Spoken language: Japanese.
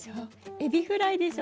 エビフライでしょ。